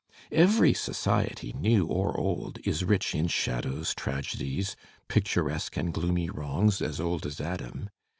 Every society, new or old, is rich in shadows, tragedies, picturesque and gloomy wrongs as old as Adam.